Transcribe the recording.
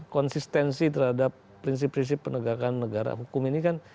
konsistensi terhadap prinsip prinsip penegakan negara hukum ini kan